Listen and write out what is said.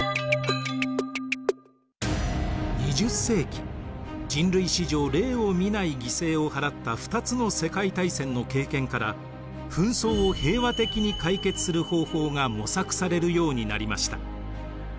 ２０世紀人類史上例を見ない犠牲を払った２つの世界大戦の経験から紛争を平和的に解決する方法が模索されるようになりました。